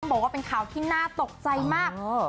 บอกว่าเป็นข่าวที่น่าตกใจมาก